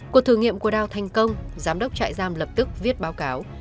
cuộc thử nghiệm của đào thành công giám đốc trại giam lập tức viết báo cáo